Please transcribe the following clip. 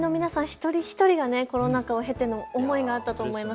一人一人がコロナ禍を経ての思いがあったと思います。